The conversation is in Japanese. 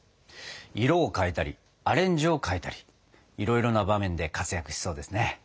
色を変えたりアレンジを変えたりいろいろな場面で活躍しそうですね。